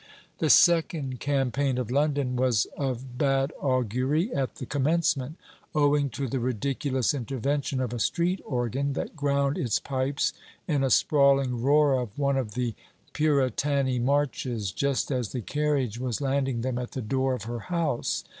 The second campaign of London was of bad augury at the commencement, owing to the ridiculous intervention of a street organ, that ground its pipes in a sprawling roar of one of the Puritani marches, just as the carriage was landing them at the door of her house.